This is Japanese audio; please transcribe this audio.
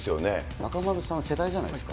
中丸さん、世代じゃないですか。